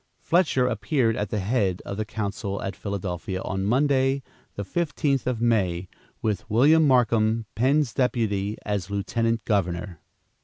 Fletcher appeared at the head of the council at Philadelphia on Monday, the 15th of May, with William Markham, Penn's deputy, as lieutenant governor.